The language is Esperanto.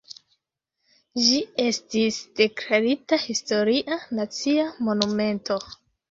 Ĝi estis deklarita Historia Nacia Monumento.